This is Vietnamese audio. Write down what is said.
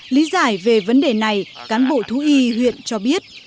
lý giải về vấn đề này cán bộ thú y huyện cho biết